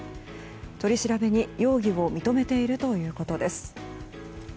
取り調べに、容疑を認めているということです。